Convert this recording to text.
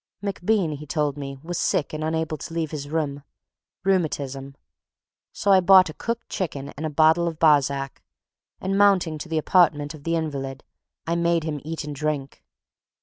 MacBean, he told me, was sick and unable to leave his room. Rheumatism. So I bought a cooked chicken and a bottle of Barsac, and mounting to the apartment of the invalid, I made him eat and drink.